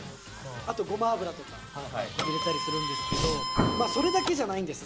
あとごま油とか入れたりするんですけどそれだけじゃないんです！